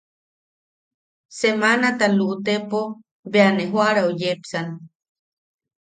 Semanata luʼutepo bea ne joʼarau yepsan.